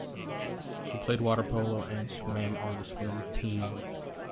He played water polo and swam on the swim team.